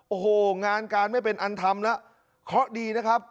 โอ้โหงานการไม่เป็นอันทำแล้วเคราะห์ดีนะครับ